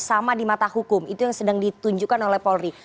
sama di mata hukum itu yang sedang ditunjukkan oleh polri